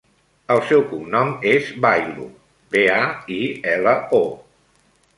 El seu cognom és Bailo: be, a, i, ela, o.